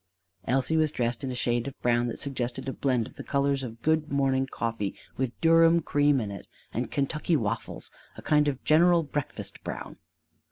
Elsie was dressed in a shade of brown that suggested a blend of the colors of good morning coffee with Durham cream in it and Kentucky waffles: a kind of general breakfast brown.